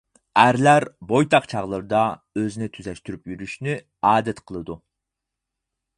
ئەرلەر بويتاق چاغلىرىدا ئۆزىنى تۈزەشتۈرۈپ يۈرۈشنى ئادەت قىلىدۇ.